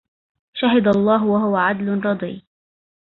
شهد الله وهو عدل رضي